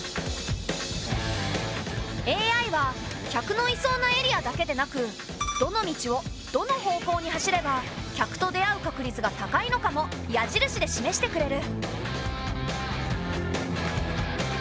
ＡＩは客のいそうなエリアだけでなくどの道をどの方向に走れば客と出会う確率が高いのかも矢印で示してくれる。